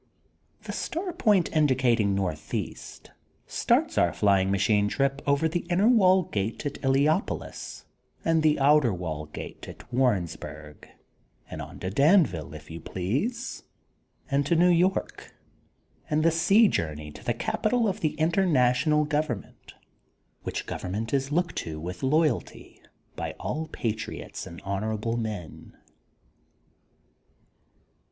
The star point, indicating north east, starts our flying machine trip over the inner wall gate at Miopolis and the outer wall gate at Warrensburg and on to Danville, if you please, and to New York and the sea journey to the capital of the International Government, which government is looked to with loyalty by all patriots and honorable men.